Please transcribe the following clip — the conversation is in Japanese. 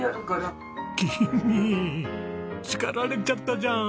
君叱られちゃったじゃん！